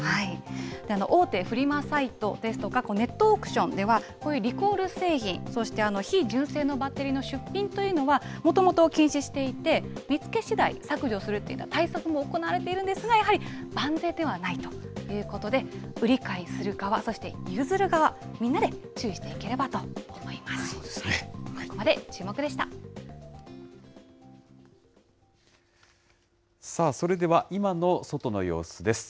大手フリマサイトですとか、ネットオークションでは、こういうリコール製品、そして非純正のバッテリーの出品というのはもともと禁止していて、見つけしだい、削除するというような対策も行われているんですが、やはり万全ではないということで、売り買いする側、そして譲る側、みんなで注意していければと思いそうですね。